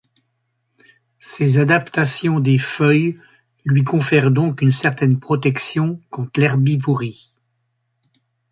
Ces adaptations des feuilles lui confèrent donc une certaine protection contre l’herbivorie.